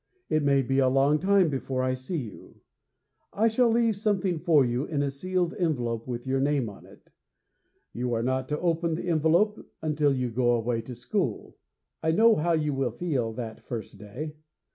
It may be a long time before I see you; I shall leave something for you in a sealed envelope with your name on it. You are not to open the envelope until you go away to school. I know how you will feel that first day.